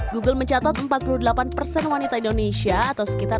google mencatat empat puluh delapan persen wanita indonesia atau sekitar